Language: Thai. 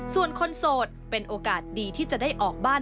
ส่วนคนโสดเป็นโอกาสดีที่จะได้ออกบ้าน